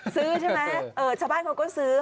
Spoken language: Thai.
ซื้อใช่ไหมชาวบ้านเขาก็ซื้อ